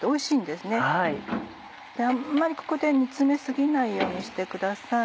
であんまりここで煮詰め過ぎないようにしてください。